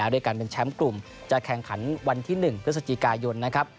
ด้วยการเป็นแชมป์กลุ่มจะแข่งขันวันที่๑พฤศจิกายนนะครับ